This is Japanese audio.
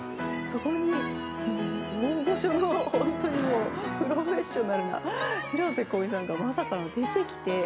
そこに大御所のプロフェッショナルな広瀬香美さんがまさかの出てきて。